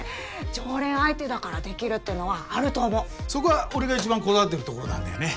常連相手だからできるってのはあると思うそこは俺が一番こだわってるところなんだよね